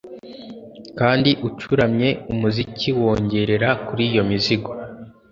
Kandi ucuramye umuziki wongorera kuri iyo migozi